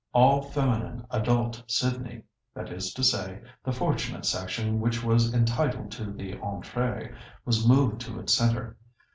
All feminine adult Sydney—that is to say, the fortunate section which was entitled to the entrée—was moved to its centre.